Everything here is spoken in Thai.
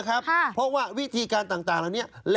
อ้าวซะอย่างนั้น